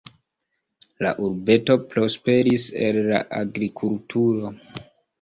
La urbeto prosperis el la agrikulturo.